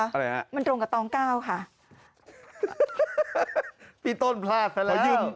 อะไรครับมันตรงกับตองก้าวค่ะพี่ต้นพลาดไปแล้ว